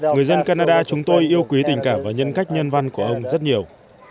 người dân canada chúng tôi yêu quý tình cảm và nhân cách nhân văn của ông rất nhiều